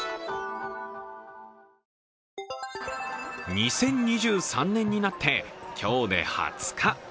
２０２３年になって今日で２０日。